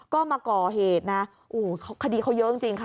ก็มาก่อเหตุคดีเขาเยอะจริงค่ะ